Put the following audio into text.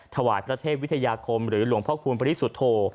ถวายพระเทพวิทยาคมหรือหลวงพ่อคูณปริสุทธโธ